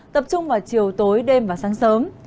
tập trung vào chiều tối đêm và sáng sớm